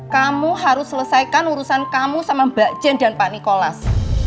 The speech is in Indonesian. kamu harus selesaikan urusan kamu sama mbak jen dan pak nikolas